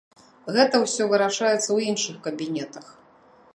Гэта ўсё вырашаецца ў іншых кабінетах!